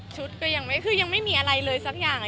ก็ยังไม่คือยังไม่มีอะไรเลยสักอย่าง